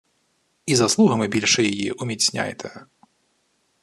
І заслугами більше її уміцняйте.